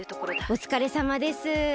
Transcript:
おつかれさまです。